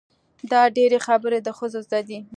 دا ډېرې خبرې د ښځو زده وي.